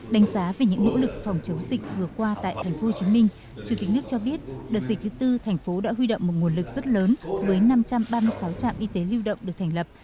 đánh giá về những nỗ lực phòng chống dịch vừa qua tại tp hcm chủ tịch nước cho biết đợt dịch thứ tư thành phố đã huy động một nguồn lực rất lớn với năm trăm ba mươi sáu trạm y tế lưu động được thành lập